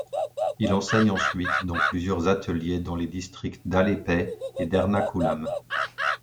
Il enseigne ensuite dans plusieurs ateliers dans les districts d'Alleppey et d'Ernakulam.